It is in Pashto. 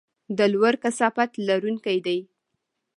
د لوړ کثافت لرونکي دي.